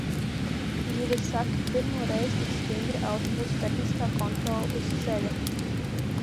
Gide saka - pirmo reizi tik stingra autobusa tehniskā kontrole uz ceļa.